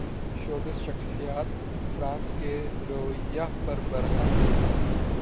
showbiz شخصیات France کے رویے پر برہم